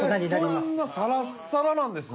そんなサラッサラなんですね。